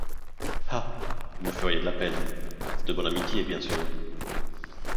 Ah! vous me feriez de la peine, c’est de bonne amitié, bien sûr !